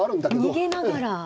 あ逃げながら。